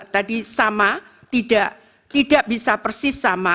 tadi sama tidak bisa persis sama